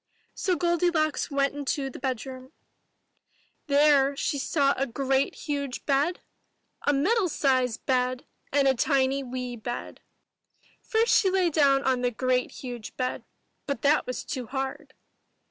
So Goldilocks went into the bedroom. There 249 MY BOOK HOUSE she saw a great huge bed, a middle sized bed, and a tiny wee bed. First she lay down on the great huge bed, but that was too hard.